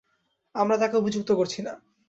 আমরা তাকে অভিযুক্ত করছি না।